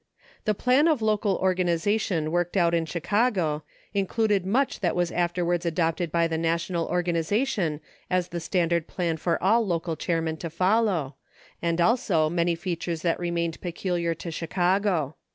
The plan of local organization worked out in Chicago included much that was afterwards adopted by the na tional organization as the standard plan for all local chairmen to follow, and also many features that re mained peculiar to Chicago.